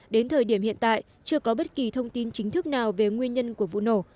đến thời điểm hiện tại chưa có bất kỳ thông tin chính thức nào về nguyên nhân của vụ nổ